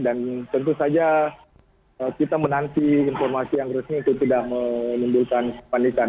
dan tentu saja kita menanti informasi yang resmi itu tidak menimbulkan panikan